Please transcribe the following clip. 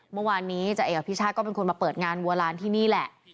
เมื่อวานนี้จ่าเอกอภิชาก็เป็นคนมาเปิดงานบัวลานที่นี่แหละ